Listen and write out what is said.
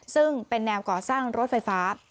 ซึ่งเป็นแนวก่อสร้างรถไฟฟ้า